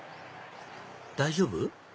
大丈夫？